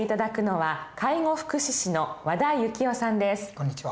こんにちは。